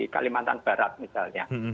kalimantan barat misalnya